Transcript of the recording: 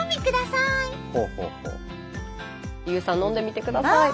ＹＯＵさん飲んでみてください。